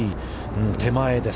手前です。